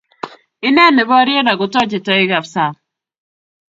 ineen neboryen ak kotochei toekab sang